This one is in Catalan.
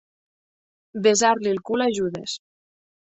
Besar-li el cul a Judes.